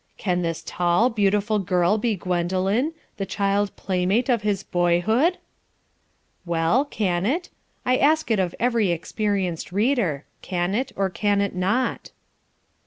Can this tall, beautiful girl be Gwendoline, the child playmate of his boyhood?" Well, can it? I ask it of every experienced reader can it or can it not?